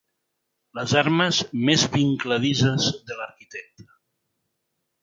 Les armes més vincladisses de l'arquitecte.